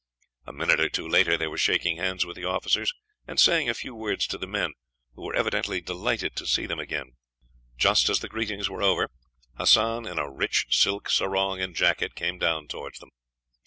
A minute or two later they were shaking hands with the officers, and saying a few words to the men, who were evidently delighted to see them again. Just as the greetings were over, Hassan, in a rich silk sarong and jacket, came down towards them.